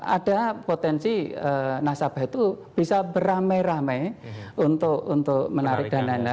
ada potensi nasabah itu bisa beramai ramai untuk menarik dananya